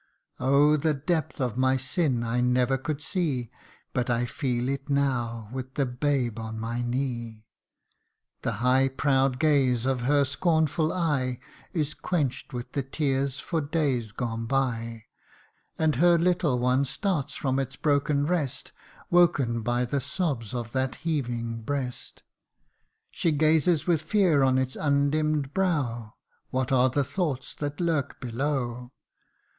Oh ! the depth of my sin I never could see, But I feel it now, with the babe on my knee.' 86 THE UNDYING ONE. The high proud gaze of her scornful eye Is quench'd with the tears for days gone by ; And her little one starts from its broken rest, Woke by the sobs of that heaving breast. She gazes with fear on its undimm'd brow What are the thoughts that lurk below